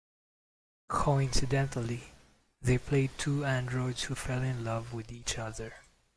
Coincidentally, they played two androids who fell in love with each other.